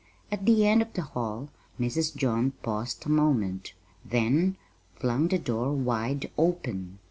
At the end of the hall Mrs. John paused a moment, then flung the door wide open.